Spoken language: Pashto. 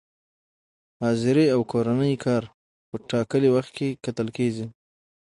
حاضري او کورني کار په ټاکلي وخت کتل،